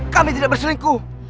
kami tidak berselingkuh